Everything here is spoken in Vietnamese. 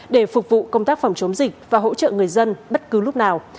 để phục vụ công tác phòng chống dịch và hỗ trợ người dân bất cứ lúc nào